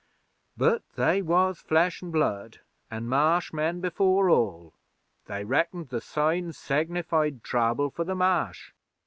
But they was Flesh an' Blood, an' Marsh men before all. They reckoned the signs sinnified trouble for the Marsh.